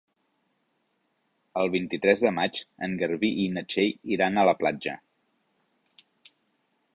El vint-i-tres de maig en Garbí i na Txell iran a la platja.